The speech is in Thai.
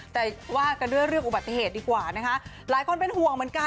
แต่ว่ากันด้วยเรื่องอุบัติเหตุดีกว่านะคะหลายคนเป็นห่วงเหมือนกัน